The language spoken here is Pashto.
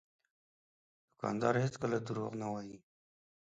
دوکاندار هېڅکله دروغ نه وایي.